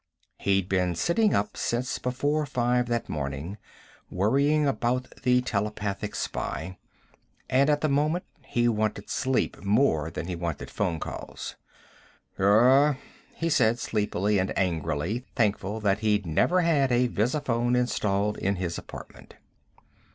He'd been sitting up since before five that morning, worrying about the telepathic spy, and at the moment he wanted sleep more than he wanted phone calls. "Gur?" he said, sleepily and angrily, thankful that he'd never had a visiphone installed in his apartment.